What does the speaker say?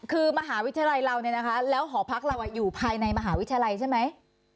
คือมหาวิทยาลัยเราเนี่ยนะคะแล้วหอพักเราอยู่ภายในมหาวิทยาลัยใช่ไหม